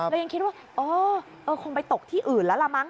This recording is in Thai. แล้วยังคิดว่าคงไปตกที่อื่นแล้วล่ะมั้ง